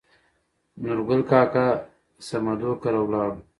نورګل کاکا سمدو کره ولاړو.